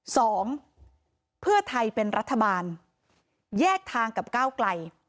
สองเพื่อไทยเป็นรัฐบาลแยกทางกับก้าวไกล